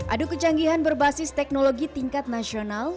adu kecanggihan berbasis teknologi tingkat nasional